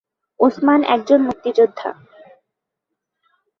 ওসমান একজন মুক্তিযোদ্ধা।